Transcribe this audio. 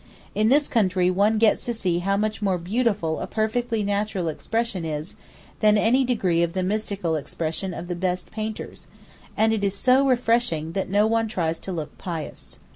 In this country one gets to see how much more beautiful a perfectly natural expression is than any degree of the mystical expression of the best painters, and it is so refreshing that no one tries to look pious.